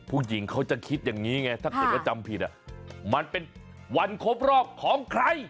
ผู้หญิงเขาจะคิดอย่างนี้ไงถ้าเกิดว่าจำผิดมันเป็นวันครบรอบของใคร